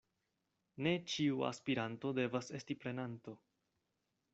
Ne ĉiu aspiranto devas esti prenanto.